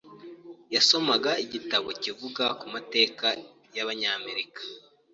Yasomaga igitabo kivuga ku mateka y'Abanyamerika.